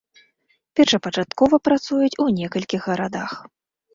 Першапачаткова працуюць ў некалькіх гарадах.